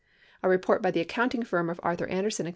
(A report by the accounting firm of Arthur Anderson & Co.